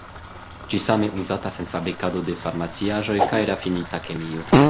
Ĝi same uzatas en fabrikado de farmaciaĵoj kaj rafinita kemio.